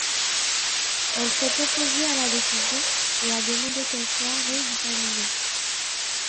Elle s'est opposée à la décision, et a demandé qu'elle soit réexaminée.